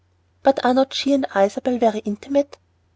"But are not she and Isabel very intimate?"